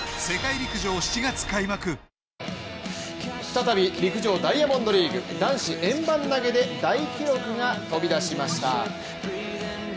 再び陸上ダイヤモンドリーグ男子円盤投げで大記録が飛び出しました！